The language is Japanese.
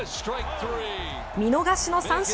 見逃しの三振。